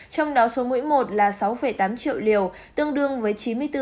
trong đó số mũi một là sáu tám triệu liều tương đương với chín mươi bốn